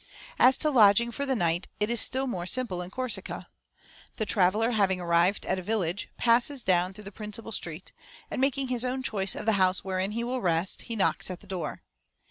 As to lodging for the night, it is still more simple in Corsica. The traveller having arrived at a village, passes down through the principal street, and making his own choice of the house wherein he will rest, he knocks at the door.